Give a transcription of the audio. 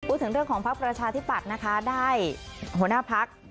พูดถึงเรื่องของภักดิ์ประชาธิปัตย์นะคะได้หัวหน้าพัก